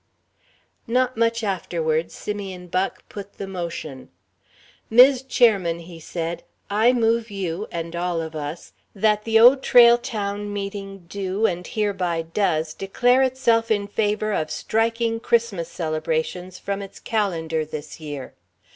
Not much afterward Simeon Buck put the motion: "Mis' Chairman," he said, "I move you and all of us that the Old Trail Town meeting do and hereby does declare itself in favour of striking Christmas celebrations from its calendar this year.